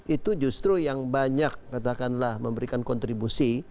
itu justru yang banyak katakanlah memberikan kontribusi